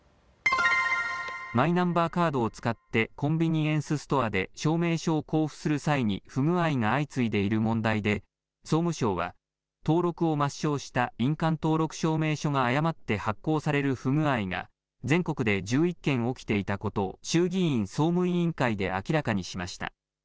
マイナンバーカードを使ってコンビニエンスストアで証明書を交付する際に不具合が相次いでいる問題で総務省は登録を抹消した印鑑登録証明書が誤って発行される不具合が全国で１１件起きていたことを衆議院総務委員会で明らかにしました。